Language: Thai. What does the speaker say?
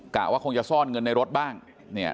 กะว่าคงจะซ่อนเงินในรถบ้างเนี่ย